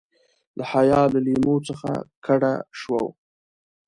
له حیا له لیمو څخه کډه شو.